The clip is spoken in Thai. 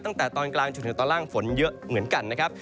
ตั้งแต่ตอนกลางจนถึงตอนล่างฝนเยอะเหมือนกันนะครับ